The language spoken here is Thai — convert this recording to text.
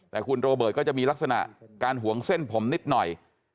แต่คุณโรเบิร์ตก็จะมีลักษณะการห่วงเส้นผมนิดหน่อย